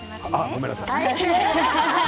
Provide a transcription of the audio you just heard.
ごめんなさい。